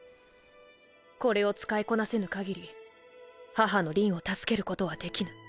これを使いこなせぬ限り母のりんを助けることは出来ぬ。